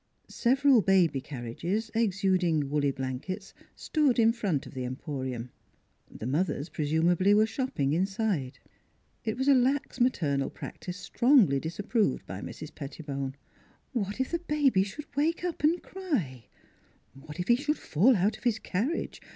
Several baby car riages, exuding woolly blankets, stood in front of the Emporium. The mothers presumably were shopping inside. It was a lax maternal practice strongly disapproved by Mrs. Pettibone. What if a baby should wake up and cry? What if he should fall out of his carriage?